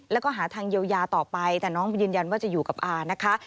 แล้วก็หาทางเยียวยาต่อไปแต่น้องยืนยันว่าจะอยู่กับอานะคะ